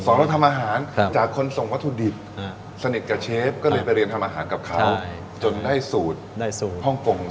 เราทำอาหารจากคนส่งวัตถุดิบสนิทกับเชฟก็เลยไปเรียนทำอาหารกับเขาจนได้สูตรฮ่องกงมา